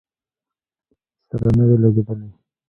سره نه وې لګېدلې.